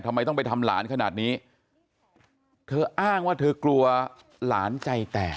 ทำไมต้องไปทำหลานขนาดนี้เธออ้างว่าเธอกลัวหลานใจแตก